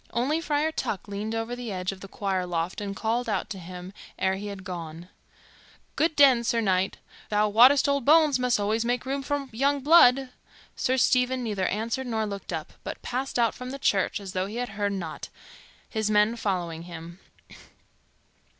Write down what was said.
Only Friar Tuck leaned over the edge of the choir loft and called out to him ere he had gone, "Good den, Sir Knight. Thou wottest old bones must alway make room for young blood." Sir Stephen neither answered nor looked up, but passed out from the church as though he had heard nought, his men following him.